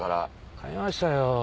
買いましたよ。